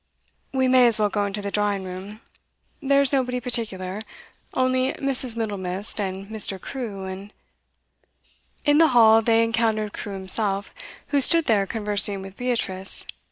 'We may as well go into the drawing room. There's nobody particular. Only Mrs. Middlemist, and Mr. Crewe, and ' In the hall they encountered Crewe himself, who stood there conversing with Beatrice.